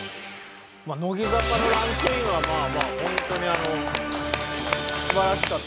乃木坂のランクインはまあまあホントに素晴らしかったですよ。